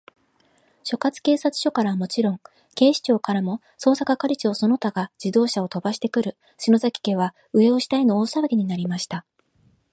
所轄警察署からはもちろん、警視庁からも、捜査係長その他が自動車をとばしてくる、篠崎家は、上を下への大さわぎになりました。